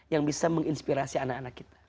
yang bisa menginspirasi anak anak kita